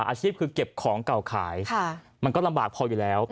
อาชีพคือเก็บของเก่าขายมันก็ลำบากพออยู่แล้ว